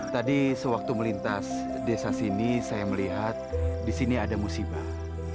tadi sewaktu melintas desa sini saya melihat di sini ada musibah